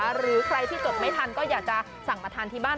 หรือใครที่จดไม่ทันก็อยากจะสั่งมาทานที่บ้าน